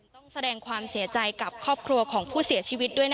ต้องแสดงความเสียใจกับครอบครัวของผู้เสียชีวิตด้วย